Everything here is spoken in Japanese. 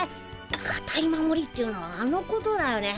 かたい守りっていうのはあのことだね。